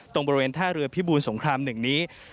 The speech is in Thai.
ตรงบริเวณท่าเรือพิบูรสงคราม๑นี้